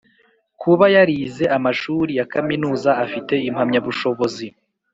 Kuba yarize amashuri yakaminuza afite impamyabushobozi